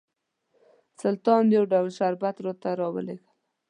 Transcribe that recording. سلطان یو ډول شربت راته راولېږل.